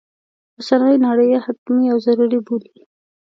اوسنی نړی یې حتمي و ضروري بولي.